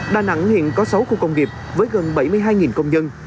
đà nẵng hiện có sáu khu công nghiệp với gần bảy mươi hai công nhân